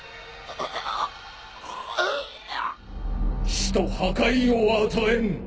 死と破壊を与えん！